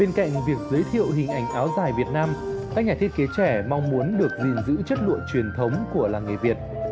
bên cạnh việc giới thiệu hình ảnh áo dài việt nam các nhà thiết kế trẻ mong muốn được gìn giữ chất lụa truyền thống của làng nghề việt